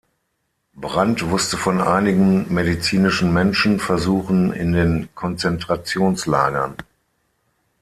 Brandt wusste von einigen medizinischen Menschenversuchen in den Konzentrationslagern.